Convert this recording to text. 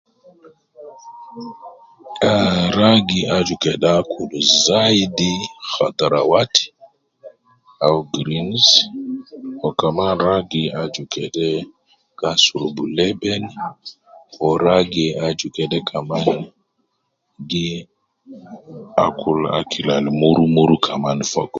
Ahh, ragi aju kede akul zaidi katwarawat au greens, wu kaman ragi aju kede asurubu leben, wu ragi aju kede kaman gi akul akil al muru muru kaman fogo.